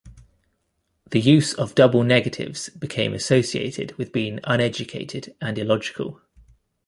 The use of double negatives became associated with being uneducated and illogical.